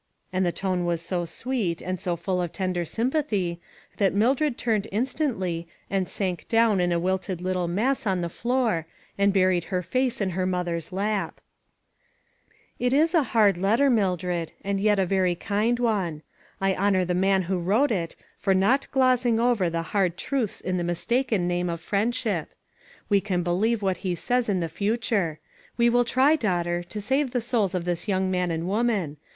And the tone was so sweet, and so full of tender sympathy, that Mildred turned instantly and sank down in a wilted little mass on the floor, and buried her face in her mother's lap. "It is a hard letter, Mildred, and yet a very kind one. I honor the man who wrote it, for not glozing over the hard truths in the mistaken name of friendship. We can PLEDGES. 407 believe what he says in the future. We will try, daughter, to save the souls of this young man and woman.